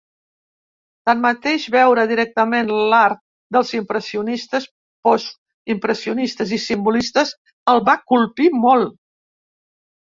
Tanmateix, veure directament l’art dels impressionistes, postimpressionistes i simbolistes el va colpir molt.